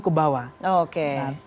ke bawah oke